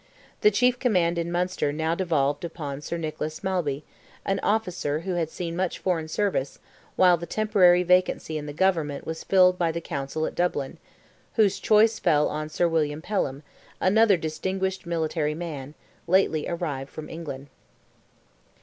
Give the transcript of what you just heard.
The chief command in Munster now devolved upon Sir Nicholas Malby, an officer who had seen much foreign service, while the temporary vacancy in the government was filled by the Council at Dublin, whose choice fell on Sir William Pelham, another distinguished military man, lately arrived from England.